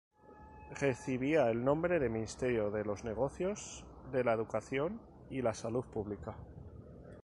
Recibía el nombre de Ministerio de los Negocios de la Educación y Salud Pública.